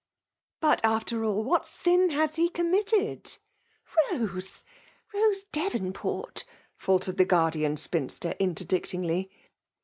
'"^ But, after all, what sin has he committed ?"*' Rose — Rose Dcvonport !*' faltered the guardian spinster, interdictingly.